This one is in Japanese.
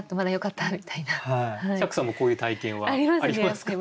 釈さんもこういう体験は？ありますね。